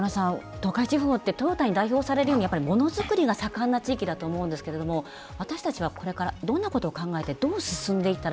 東海地方ってトヨタに代表されるようにやっぱりものづくりが盛んな地域だと思うんですけれども私たちはこれからどんなことを考えてどう進んでいったらいいと思いますか？